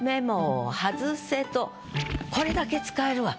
これだけ使えるわ。